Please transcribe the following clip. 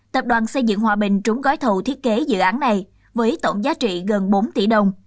tập đoàn xây dựng hòa bình trúng gói thầu thiết kế dự án này với tổng giá trị gần bốn tỷ đồng